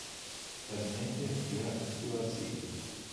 Поднятие для активации